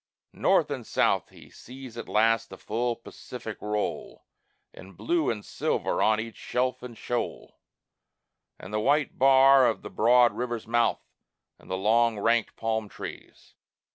North and south He sees at last the full Pacific roll In blue and silver on each shelf and shoal, And the white bar of the broad river's mouth, And the long, ranked palm trees.